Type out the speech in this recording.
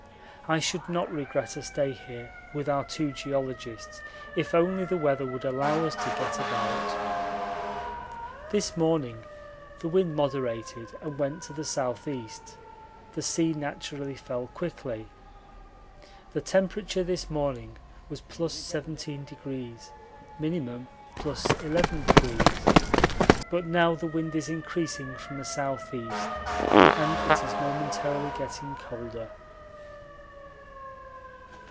I should not regret a stay here with our two geologists if only the weather would allow us to get about. This morning the wind moderated and went to the S.E.; the sea naturally fell quickly. The temperature this morning was + 17°; minimum +11°. But now the wind is increasing from the S.E. and it is momentarily getting colder.